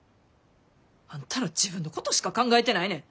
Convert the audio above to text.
あんたら自分のことしか考えてないねん。